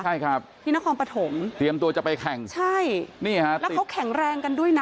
ใช่ครับที่นครปฐมเตรียมตัวจะไปแข่งใช่นี่ฮะแล้วเขาแข็งแรงกันด้วยนะ